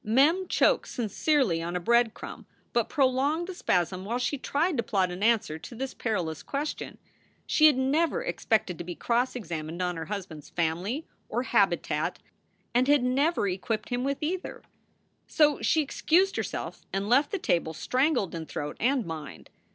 Mem choked sincerely on a bread crumb, but prolonged the spasm while she tried to plot an answer to this perilous question. She had never expected to be cross examined on her husband s family or habitat, and had never equipped him with either. So she excused herself and left the table, strangled in throat and mind.